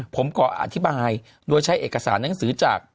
ผมขออธิบายโดยใช้เอกสารหนังสือจาก